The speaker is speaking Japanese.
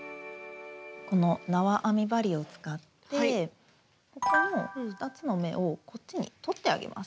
このなわ編み針を使ってこの２つの目をこっちに取ってあげます。